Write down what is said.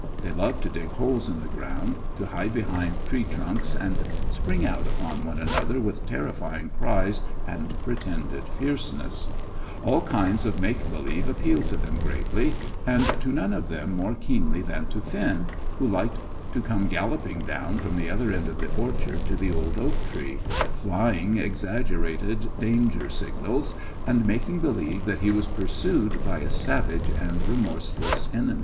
They loved to dig holes in the ground; to hide behind tree trunks and spring out upon one another with terrifying cries and pretended fierceness; all kinds of make believe appealed to them greatly, and to none of them more keenly than to Finn, who liked to come galloping down from the other end of the orchard to the old oak tree, flying exaggerated danger signals, and making believe that he was pursued by a savage and remorseless enemy.